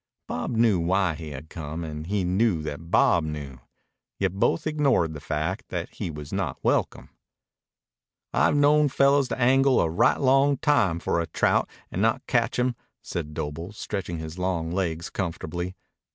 Bob knew why he had come, and he knew that Bob knew. Yet both ignored the fact that he was not welcome. "I've known fellows angle a right long time for a trout and not catch him," said Doble, stretching his long legs comfortably.